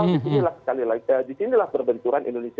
disinilah sekali lagi disinilah perbenturan indonesia